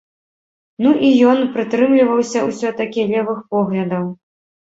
Ну і ён прытрымліваўся ўсё-такі левых поглядаў.